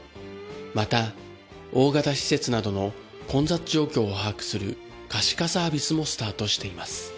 また大型施設などの混雑状況を把握する可視化サービスもスタートしています。